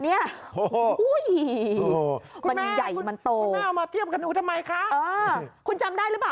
โอ้โหมันใหญ่มันโตน่าเอามาเทียบกันดูทำไมคะคุณจำได้หรือเปล่า